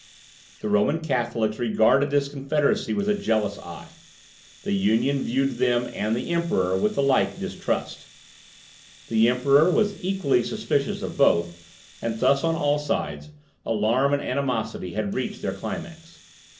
The Roman Catholics regarded this confederacy with a jealous eye; the Union viewed them and the Emperor with the like distrust; the Emperor was equally suspicious of both; and thus, on all sides, alarm and animosity had reached their climax.